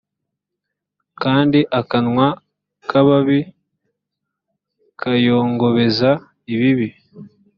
kandi akanwa k ababi kayongobeza ibibi